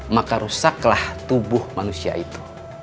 maka rusaklah tubuh manusia itu